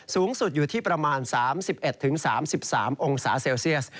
สูงสุดอยู่ที่ประมาณ๓๑๓๓องศาเซลเซียส